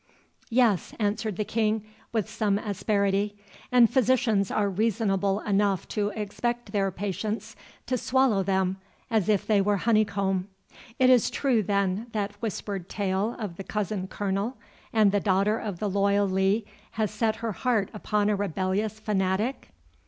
"Yes," answered the King, with some asperity, "and physicians are reasonable enough to expect their patients to swallow them, as if they were honeycomb. It is true, then, that whispered tale of the cousin Colonel, and the daughter of the loyal Lee has set her heart upon a rebellious fanatic?"